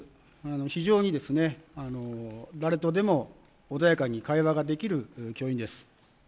非常に、誰とでも穏やかに会話ができる教員です。